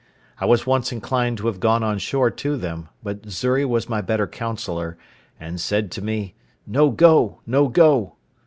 I was once inclined to have gone on shore to them; but Xury was my better counsellor, and said to me, "No go, no go."